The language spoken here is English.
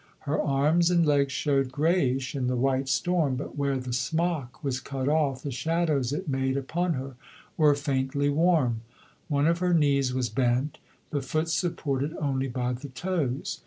Her arms and legs showed greyish in the white storm, but where the smock was cut off the shadows it made upon her were faintly warm. One of her knees was bent, the foot supported only by the toes.